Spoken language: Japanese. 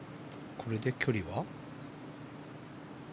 これで距離は？